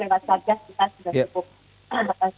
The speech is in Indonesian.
sebagai sebuah rancangan undang undang